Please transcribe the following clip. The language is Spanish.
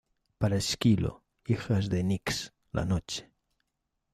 Para Esquilo, hijas de Nix, la Noche.